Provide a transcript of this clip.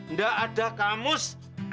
nggak ada kamus